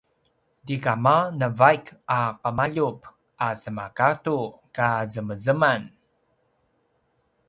ti kama navaik a ’emaljup a semagadu ka zemzemanan